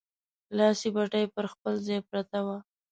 لاسي بتۍ پر خپل ځای پرته وه.